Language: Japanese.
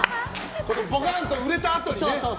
ぼかんと売れたあとにね。